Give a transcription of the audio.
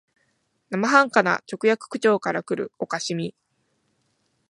生半可な直訳口調からくる可笑しみ、